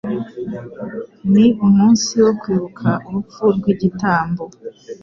Ni umunsi wo kwibuka urupfu rw igitambo